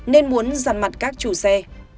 nên muốn giặt mặt các chủ xe